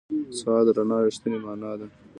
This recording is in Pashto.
سهار د رڼا رښتینې معنا ده.